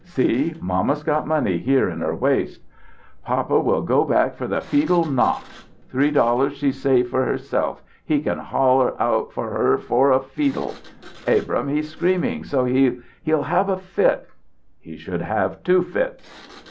See mamma's got money here in her waist " "Papa will go back for the feedle not three dollars she's saved for herself he can holler out of her for a feedle!" "Abrahm, he's screaming so he he'll have a fit." "He should have two fits."